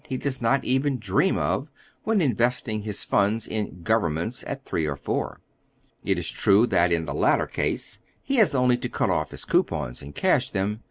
he does not even dream of when investing his funds in " governments " at three or four. It is true that in the latter case he has only to cut off his coupons and cash them.